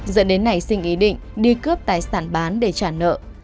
dẫn đến nảy sinh ý định đi cướp tài sản bán để trả nợ